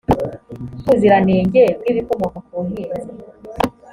by ubuziranenge bw ibikomoka ku buhinzi